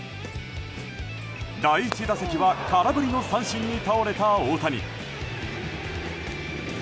第１打席は空振りの三振に倒れた大谷。